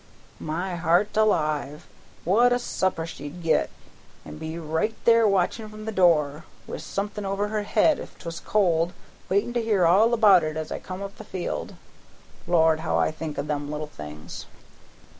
My heart alive! what a supper she'd git, an' be right there watchin' from the door, with somethin' over her head if 'twas cold, waitin' to hear all about it as I come up the field. Lord, how I think o' all them little things!"